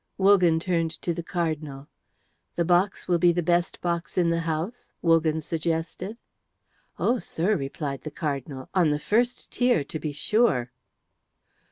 Wogan turned to the Cardinal. "The box will be the best box in the house," Wogan suggested. "Oh, sir," replied the Cardinal, "on the first tier, to be sure."